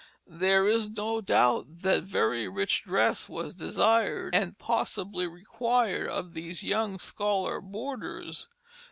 There is no doubt that very rich dress was desired, and possibly required of these young scholar boarders.